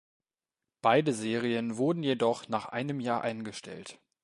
Beide Serien wurden jedoch nach einem Jahr eingestellt.